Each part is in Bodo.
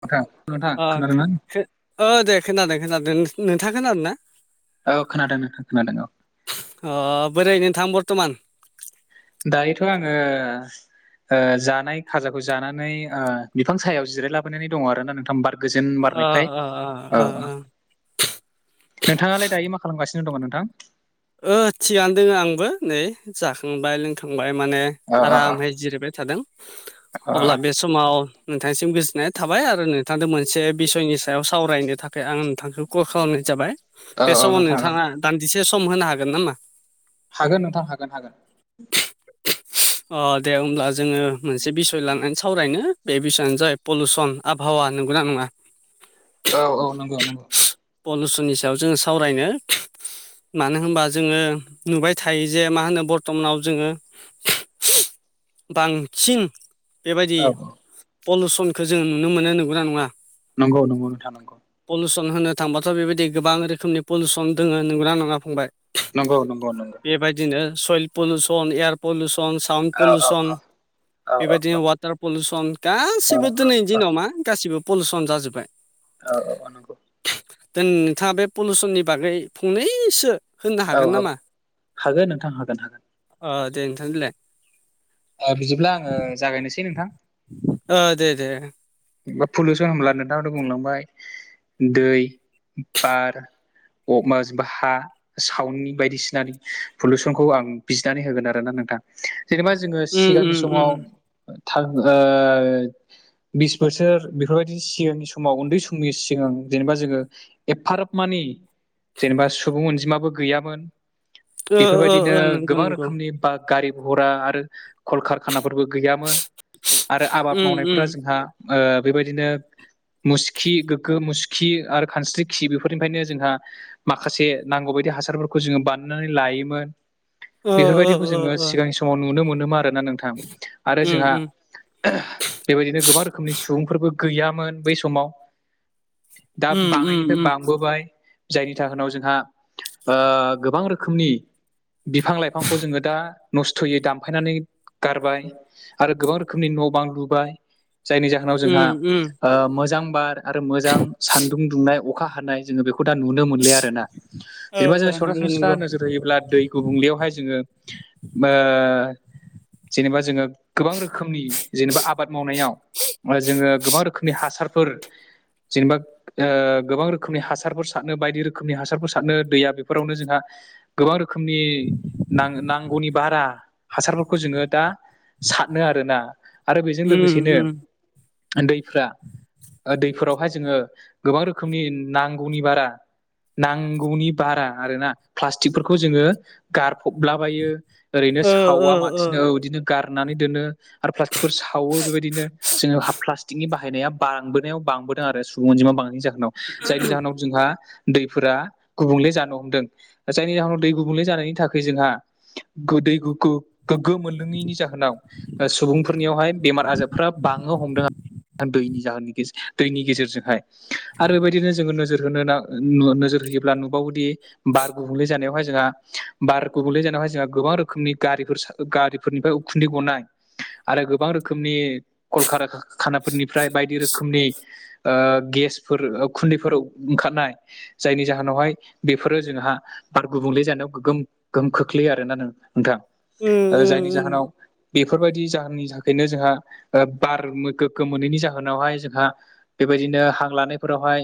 नोंथां नोंथां खोनादोंना दे खोनादों खोनादों नोंथां खोनादोंना। औ खोनादों खोनादों औ। अ बोरायनोथां बर्थमान। दायोथ' आङो जानाय खाजाखौ जानानै बिफां सायाव जिरायलाबोनानै दङ आर ना नोंथां बार गोजोन अ बारनायखाय अ अ अ नोंथाङालाय दायो मा खालामगासिनो दङ नोंथां। ओ थिगानो दोङ आंबो नै जाखांबाय लोंखांबाय माने औ औ आरामै जिरायबाय थादों। औ अब्ला बे समाव नोंथांनिसिम गोजोननाय थाबाय आरो नोंथांजों मोनसे बिसयनि सायाव सावरायनो थाखाय आं नोंथांखौ कल खालामनाय जाबाय औ बे औ समाव नोंथां औ नोंथाङा दान्दिसे सम होनो हागोन नामा? हागोन नोंथां हागोन हागोन। अ दे होनब्ला जोङो मोनसे बिसय लानानै सावरायनो बे बिसयानो जाय पलिुसन आबहावा नंगौना नङा। औ औ नंगौ नंगौ। पलिुसननि सायाव जोङो सावरायनो मानो होनबा जोङो नुबाय थायो जे मा होनो बर्थ'मानाव जोङो। बांसिन बेबायदि औ औ पलुउसनखौ जों नुनो मोनो नंगौना नङा? नंगौ नंगौ नोंथां नंगौ। पलिुसन होनो थांबाथ' बेबायदि गोबां रोखोमनि पलुसन दङ नंगना नङा फंबाय। नंगौ नंगौ नंगौ। बेबायदिनो soil pollution, air pollution, sound औ औ पलिुसन औ बेबायदिनो वाटार पलिउसन गासिबो दिनैनि औ दिनाव मा गासिबो पलिउसन जाजोब्बाय। औ औ नंगौ। द नोंथाङा बे पलिउसननि बागै फंनैसो होननो औ हागोन औ नामा हागोन नोंथां हागोन हागोन दे नोंथां बेलाय बिदिब्ला आङो जागायनोसै नोंथां। अ आ दे दे। पलिुसाव हामला नथाङ' बुंलांबाय दै बार अक माजबाहा साउन्डनि बायदिसिनानि पलुसनखौ आं बिजनानै होगोन आरो ना नोंथां? जेनेबा जोङो उम उम सिगांनि उम समाव थां बिस बोसोर बेफोरबायदि सिगांनि समाव उन्दै समनि सिगां जेनेबा जोङो एफाराब मानि जेनेबा सुबुं अनजिमाबो गैयामोन। ओ ओ ओ बेफोरबायदिनो नंगौ गोबां नंगौ रोखोमनि बा गारि घरा आरो कलकारखानाफोरबो गैयामोन। आरो आबाद उम उम मावनायफोरा जोंहा बेबायदिनो। मुसखि गोग्गो मुसुखि आरो खानस्रिखि बेफोरनिफ्रायनो जोंहा माखासे नांगौ बायदि हासारफोरखौ जोङो बानायनानै लायोमोन ओ बेफोरबायदिखौ ओ जोङो ओ सिगांनि सम समाव नुनो मोनोमा आरोना नोंथां आरो उम जोंहा उम बेबायदिनो गोबां रोम रोखोमनि सुबुंफोरबो गैयामोन बै समाव दा उम बाङनिफ्राय ब उम थांबोबाय जायनि जाहोनाव जोंहा गोबां रोखोमनि बिफां लाइफांखौ जोङो दा नस्थ'यै दामफायनानै गारबाय। आरो गोबां रोखोमनि न' बां लुबाय जायनि जाहोनाव उम जोंहा उम मोजां बार आरो मोजां सानदुं दुंनाय अखा हानाय जोङो बेखौ नुनो मोन आरोना ओ जेनेबा जों ओ नंगौ सरासनस्रा नंगौ होयोब्ला दै गुबुंलयावहाय जोङो जेनेबा जोङो गोबां रोखोमनि जेनेबा आबाद मावनायाव जोङो गोबां रोखोमनि हासारफोर। जेनबा गोबां रोखोमनि हासारफोर सारनो बायदि रोखोमनि हासारफोर सारनो दैया बेफोरावनो जोंहा गोबां रोखोमनि न नांगौनि बारा हासारफोरखौ जोङो दा सारनो आरोना आरो बेजों उम लोगोसेनो उम दैफ्रा दैफोरावहाय जोङो गोबां रोखोमनि नांगौनि बारा नांगौनि बारा आरोना प्लास्टिकफोरखौ जोङो गारफबलाबायो। ओरैनो ओ ओ सावा ओ मासिनो औ बिदिनो गारनानै दोनो आरो प्लास्टिकफोर सावो बेबायदिनो। जोङो हा प्लास्टिकनि बाहायनाया बांबोनायाव बांबोदों आरो सुबुं अनजिमा बांनायनि जाहोनाव जायनि जाहोनाव। जोंहा दैफोरा गुबुंले जानो हमदों जायनि जाहोनाव दै गुबुंले जानायनि थाखाय जोंहा गो दै गोग्गो मोनलोङैनि जाहोनाव सुबुंफोरनियावहाय बेमार आजारफ्रा बाङो हमदों दैनि जाहोन दैनि गेजेरजोंहाय आरो बेबायदिनो जोङो नोजोर होनो नोजोर होयोब्ला नुबावोदि। बार गुबुंले जानायावहाय जोंहा बार गुबुंले जानायावहाय जोंहा गोबां रोखोमनि गारिफोर गारिफोरनिफ्राय उखुन्दै गनाय आरो गोबां रोखोमनि कलका खानाफोरनिफ्राय बायदि रोखोमनि गेसफोर खुन्दैफोराव ओंखारनाय जायनि जाहोनावहाय बेफोरो जोंहा बार गुबुंले जानायाव गोहोम गोहोम खोख्लैयो आरोना नोंथां। उम जायनि जाहोनाव उम बेफोरबायदि जाहोननि थाखायनो जोंहा बार गोग्गो मोनैनि जाहोनावहाय जोंहा बेबायदिनो हां लानायफोरावहाय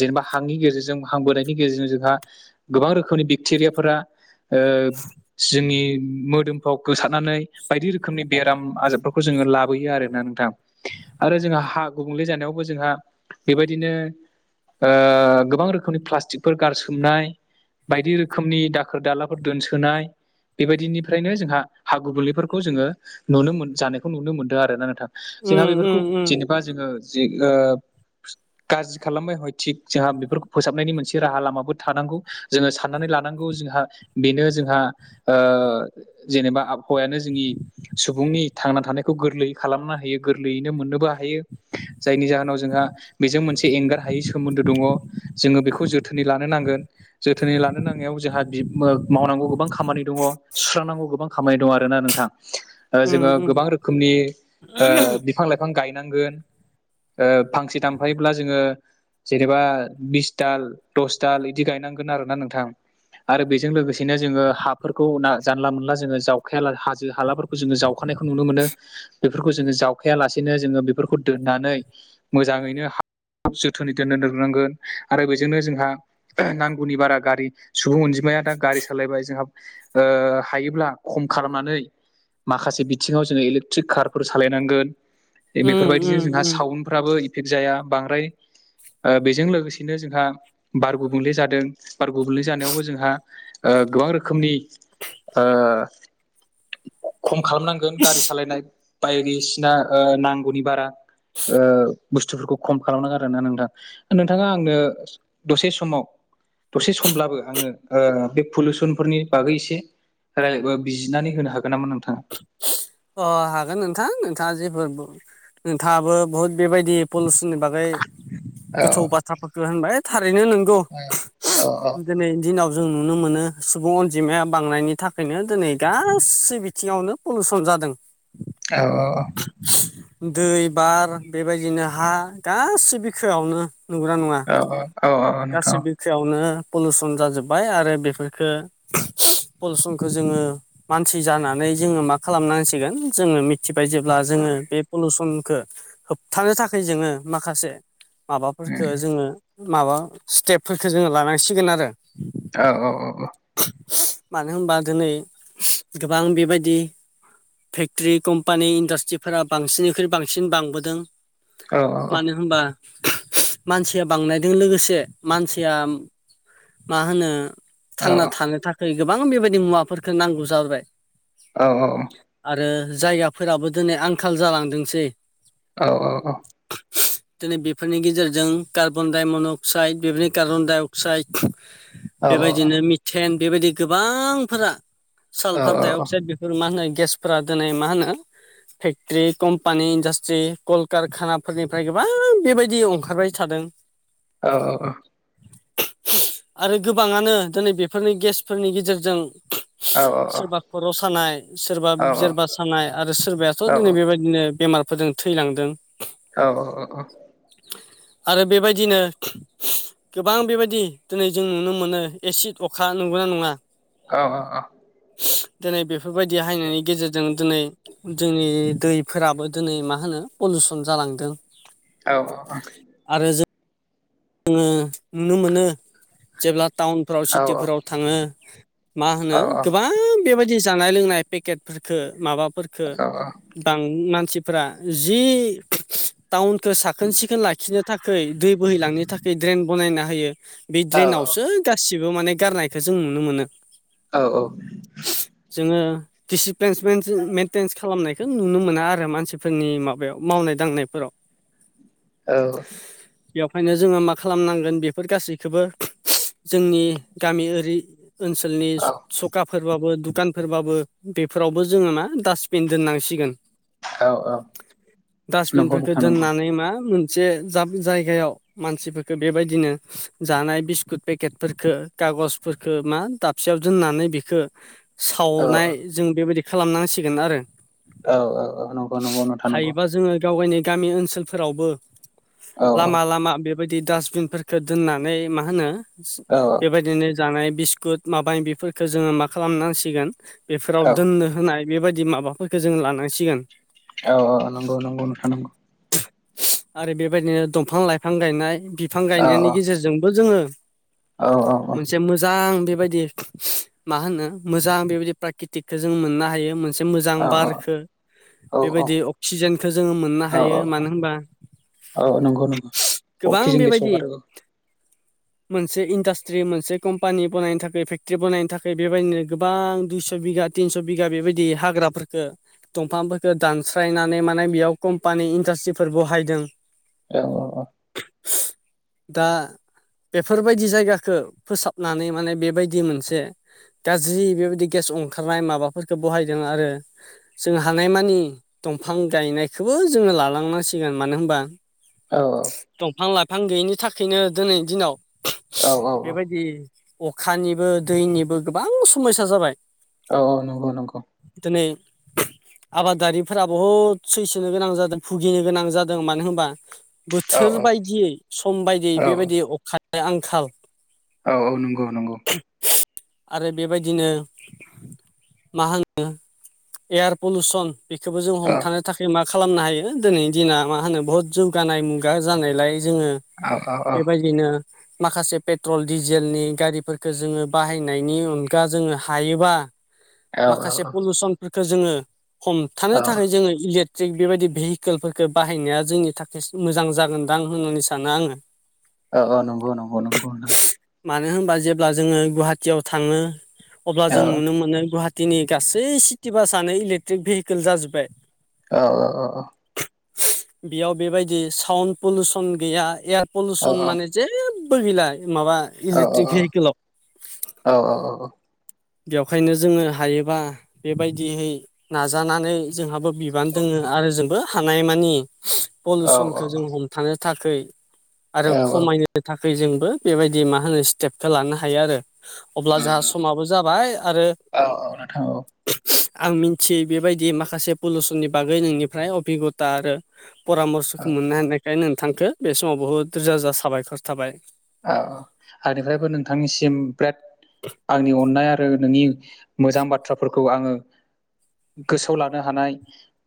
जेनेबा हांनि गेजेरजों हां बोनायनि गेजेरजों जोंहा गोबां रोखोमनि बेक्टेरियाफोरा ओ जोंनि मोदोम। गोसारनानै बायदि रोखोमनि बेराम आजारफोरखौ जोङो लाबोयो आरो नोंथां आरो जोंहा हा गुबुंले जानायावबो जोंहा बेबायदिनो ओ गोबां रोखोमनि प्लास्टिकफोर गारसोमनाय। बायदि रोखोमनि दाखोर दालाफोर दोनसोनाय बेबायदिनिफ्रायनो जोंहा हा गुबुंलेफोरखौ जोङो नुनो मोन जानायखौ नुनो मोनदों आरोना नोंथां जोंहा उम उम बेफोरखौ उम जेनेबा जोङो जे ओं। गाज्रि खालामबाय हय थिग जोंहा बेफोरखौ फोसाबनायनि मोनसे राहा लामाबो थानांगौ। जोङो साननानै लानांगौ जोंहा बेनो जोंहा जेनेबा आबहावायानो जोंनि सुबुंनि थांना थानायखौ गोरलै। खालामनो हायो गोरलैयैनो मोननोबो हायो। जायनि जाहोनाव जोंहा बेजों मोनसे एंगार हायै सोमोन्दो दङ जोङो बेखौ जोथोनै लानो नांगोन। जोथोनै लानो नांनायाव जोंहा बि मावनांगौ गोबां खामानि दङ सुस्रांनांगौ गोबां खामानि दङ आरोना नोंथां। [inaudible] जोङो उम गोबां रोखोमनि बिफां लाइफां गायनांगोन फांसे दानफायोब्ला जोङो जेनेबा बिसदाल दसदाल बिदि गायनांगोन आरोना नोंथां आरो बेजों लोगोसेनो जोङो हाफोरखौ ना जानला मानला जोङो जावखाया हाजो हालाफोरखौ जोङो जावखानायखौ नुनो मोनो बेफोरखौ जोङो जावखाया लासेनो जोङो बेफोरखौ दोननानै मोजाङैनो [unintelligible] जोथोनै दोननो रोंनांगोन आरो बेजोंनो जोंहा नांगौनि बारा गारि सुबुं अनजिमाया दा गारि सालायबाय जोंहा ओ हायोब्ला खम खालामनानै माखासे बिथिङाव जोङो इलेकट्रिक कार फोर सालायनांगोन उम बेफोरबायदिजों जोंहा उम उम साउन्डफ्राबो इफेक्ट जाया बांद्राय बेजों लोगोसेनो जोंहा बार गुबुंले जादों बार गुबुंले जानायावबो जोंहा ओ गोबां रोखोमनि ओ खम खालामनांगोन गारि सालायनाय बायदिसिना नांगौनि बारा ओ बुस्थुफोरखौ खम खालामनांगो आरोना नोंथां नोंथाङा आंनो दसे समाव दसे समब्लाबो आङो बे पलुसनफोरनि बागै एसे बिजिरनानै होनो हागोन नामा नोंथाङा अ हागोन नोंथां नोंथाङा जेबो नोंथाङाबो बहुद बेबायदि पलिउसननि बागै औ गोथौ बाथ्राफोरखौो होनबाय थारैनो नंगौ औ दिनै दिनाव जों नुनो मोनो सुबुं अनजिमाया बांनायनि थाखायनो दिनै गासै बिथिङावनो पलिुउसन जादों [unintelligible] औ औ औ दै बार बेबायदिनो हा गासै बिखोआवनो नंगौना नङा औ औ औ नोंथां गासिबो सायावनो पलुसन जाजोब्बाय आरो बेफोरखो पलुसनखो जोङो मानसि जानानै जोङो मा खालामनांसिगोन [unintelligible] जोङो मिथिबाय जेब्ला जोङो बे पलुसनखौ होब थानो थाखाय जोङो माखासे माबाफोरफोरखो जोङो माबा स्टेपफोरखो जोङो लानांसिगोन आरो औ औ औ औ मानो होनबा दिनै गोबां बेबायदि फेक्ट्रि कम्पानि इन्डास्ट्रिफोरा बांसिननिख्रुइ बांसिन बांबोदों मानो होनबा मानसिया बांनायजों लोगोसे मानसिया मा होनो थांना थानो थाखाय गोबां बेबायदि मुवाफोरफोरखौ नांगौ जाबोबाय औ औ आरो जायगाफोराबो दिनै आंखाल जालांदोंसै औ औ औ [unintelligible] दिनै बेफोरनि गेजेरजों कार्बन डाइमन' अक्साइड बेफोरनि कार्बन डाइ अक्साइड नंगौ नोंथां नंगौ औ बेबायदिनो मिथेन बेबायदि गोबांफोरा सालफार डाइ अक्साइद बेफोर मा होनो गेसफोरा दिनै मा होनो फेक्टर्रि कम्पानि इन्डास्ट्रि कलकारखानाफोरनिफ्राय गोबां बेबायदि ओंखारबाय थादों [inaudible] औ औ औ आरो गोबाङानो दिनै बेफोरनि गेसफोरनि गेजेरजों सोरबा खर' सानाय सोरबा जोरबा सानाय आरो सोरबायाथ' दिनै बेबायदिनो बेमारफोरजों थैलांदों औ औ औ औ आरो बेबायदिनो गोबां बेबायदि दिनै जों नुनो मोनो एसिड अखा नंगोना नङा औ अ औ दिनै बेफोरबायदि हायनायनि गेजेरजों दिनै जोंनि दैफोराबो दिनै मा होनो पलिउसन जालांदों औ औ औ आरो जों जोङो नुनो मोनो जेब्ला टाउनफ्राव सिटिफोराव थाङो मा होनो गोबां बेबायदि जानाय लोंनाय पेकेटफोरख माबाफोरफोरखौ मानसिफोरा जि टाउनखौ साखोन सिखोन लाखिनो थाख दै बोहैलांनो थाखाय ड्रेन बनायना होयो बे ड्रेनावसो गासिबो माने गारनायखौो जों नुनो मोनो औ औ जोङो दिडिसिप्लिनस मेेनटेेनस खालामनायखौ नुनो मोना आरो मानसिफोरनि माबायाव मावनाय दांनायफोराव [inaudible] औ बेखायनो जोङो मा खालामनांगोन बेफोर गासैखौबो जोंनि गामि ओरि ओनसोलनि सखाफोरबाबो दुखानफोरबाबो बेफोरावबो जोङो मा डासटबिन दोननांसिगोन डास्टबिनफोरखौ दोननानै मा मोनसे जायगायाव मानसिफोरफोरखौ बेबायदिनो जानाय बिस्कुट पेकेटफोरखो कागजफोरखौ मा द खियाव दोननानै बेखौ सावनाय जों बेबायदि खालामनांसिगोन आरो औ औ नंगौ नंगौ नोंथा नंगौ हायोबा जोङो गाव गावनि गामि ओनसोलफोरावबो औ लामा लामा बेबायदि डासबिनफोरखौ दोननानै मा होनो औ बेबायदिनो जानाय बिस्कुट माबानि बेफोरखौो जोङो मा खालामनांसिगोन बेफोराव औ दोननो होनाय बेबायदि माबाफोरखौ जों लानांसिगोन औ औ नंगौ नंगौ नोंथा नंगौ आरो बेबायदिनो दंफां लाइफां गायनाय बिफां गायनायनि गेजेरजोंबो जोङो औ औ औ से मोजां बेबायदि मा होनो मोजां बेबायदि प्राकृतकखौ जों मोननो हायो मोनसे मोजां औ बारखौ नंगौ नोंथां नंगौ बेबायदि अक्सिजेनखौ जोङो औ मोननो ह यो मानो होनबा औ नंगौ नंगौ अ गोबां खिजों गेस बेबायदि हगारो औ मोनसे इन्डास्ट्रि मोनसे कम्पानि बानायनो थाखाय फेक्ट्रि बानायनो थाखाय बेबायदिनो गोबां दुइस' बिगा तिनस' बिगा बेबायदि हाग्राफोरखौ दंफांफोरखौ दानस्रायनानै माने बेयाव खम पानि इन्डासट्रिफोर बहायदों औ औ औ दा बेफोरबायदि जायगाखौ फोसाबनानै माने बेबायदि मोनसे गाज्रि बेबायदि गेस ओंखारनाय माबाफोरखौ बहायदों आरो जों हानायमानि दंफां गायनायखौबो जोङो लालांनांसिगोन मानो होनबा औ औ दंफां लाइफां गैयिनि थाखायनो दिनै दिनाव औ औ बेबायदि अखानिबो दैनिबो गोबां समयसा जाबाय औ औ नंगौ नंगौ दिनै आबादारिफोरा बहुद सैस नो गोनां जादों भुगिनो गोनां जादों मानो होनबा औ बोथोर औ बायदियै सम बायदियै औ बेबायदि अख आंखाल औ औ नंगौ नंगौ आरो बेबायदिनो मा होनो एयार पलुसन बेखौबो जों औ हमथानो थाखाय मा खालामनो हायो दिनैनि दिना मा होनो बुहुत जौगानाय मुगा जानायलाय जोङो। औ औ औ बेबायदिनो। माखासे पेट्रल डिजेलनि गारिफोरफोरखौ जोङो बाहायनायनि अनगा जोङो हायोबा। औ माखासे पलिउसनफोरखौ जोङो हमथानो औ थाखाय जोङो इलेट। ट्रिक बेबायदि भेहिकेलफोरखौ बाहायनाया जोंनि थाखाय मोजां जागोनदां आं होननानै सानो आङो। [inaudible] अ नंगौ नंगौ नंगौ। मानो होनबा जेब्ला जोङो गुवाहाटीआव थाङो अब्ला जों नुनो मोनो। दिनै गासै सिटि बासनो इलेक्ट्रिक भेहिकेल जाजोब्बाय। औ अ अ अ। बेयाव बेबायदि साउन्ड पलिउसन गैया एयार औ पलिुसन माने। जेबो गैला माबा औ औ इलेक्ट्रिक भेहिकेलाव औ औ औ। बेखायनो जोङो हायोबा बेबायदियै नाजानानै जोंहाबो। बिबान दङ आरो जोंबो हानाय मानि पलुसनखौ जों हम। थानो थाखाय आरो औ खमायनो। थाखाय जोंबो बेबायदि मा होनो स्टेपखौ लानो हायो आरो अब्ला जाहा समाबो। जाबाय आरो। औ औ नोंथां औ आं मिथियै बेबायदि माखासे पलिउसननि बागै नोंनिफ्राय अबिगथा आरो। औ परामर्स'खौ मोननो हानायखाय नोंथांखौो बे समाव बुहुद रोजा रोजा साबायखर थाबाय। औ आंनिफ्रायबो नोंथांनिसिम बेराद आंनि अननाय आरो नोंनि मोजां बाथ्राफोरखौ आङो। गोसोआव लानो हानाय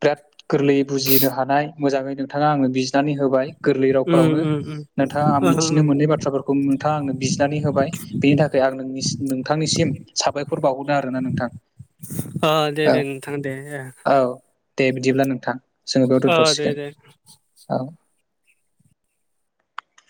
बिराद गोरलैयै बुजिनो हानाय मोजाङै नोंथाङा आंनो बि नानै होबाय गोरलै उम रावफोरावनो उम नोंथाङां मिथिनो उम मोननाय बाथ बाथ्राफोरखौ नोंथाङा आंनो बिजिरनानै होबाय। बिनि थाखाय आंङो नोंथांनिसिम साबायखर बावहरदों आरोना नोंथां। अ दे औ दे नोंथां दे। औ दे बिदिब्ला नोंथां जोङो बेयाव ओ दे दोन्थ'सिगोन दे औ।